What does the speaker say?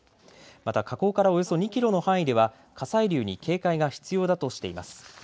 また、火口からおよそ２キロの範囲では火砕流に警戒が必要だとしています。